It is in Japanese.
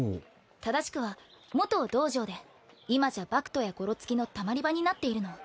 正しくは元道場で今じゃ博徒やごろつきのたまり場になっているの。